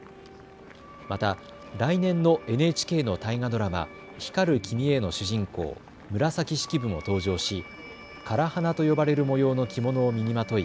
また来年のＮＨＫの大河ドラマ、光る君への主人公、紫式部も登場し唐花と呼ばれる模様の着物を身にまとい